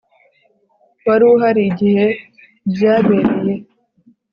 Wari uhari igihe byabereye